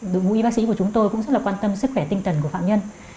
đội ngũ y bác sĩ của chúng tôi cũng rất là quan tâm sức khỏe tinh tần của phạm nhân